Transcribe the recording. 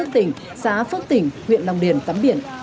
tỉnh xã phước tỉnh huyện long điển tắm biển